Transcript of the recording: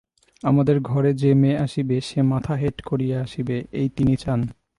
আমাদের ঘরে যে মেয়ে আসিবে সে মাথা হেঁট করিয়া আসিবে, এই তিনি চান।